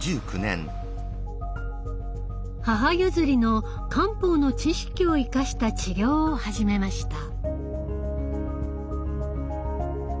母譲りの漢方の知識を生かした治療を始めました。